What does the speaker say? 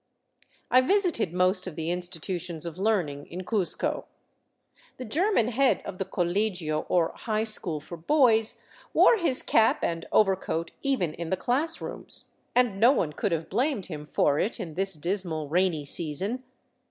I visited most of the institutions of learning in Cuzco. The German head of the Colegio, or high school for boys, wore his cap and overcoat 444 THE CITY OF THE SUN even in the class rooms; and no one could have blamed him for it in this dismal rainy season.